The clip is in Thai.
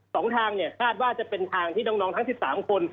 สองทางเนี่ยคาดว่าจะเป็นทางที่น้องทั้ง๑๓คน